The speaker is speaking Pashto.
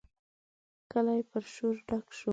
کلی پر شور ډک شو.